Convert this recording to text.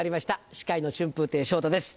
司会の春風亭昇太です